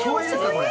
これ。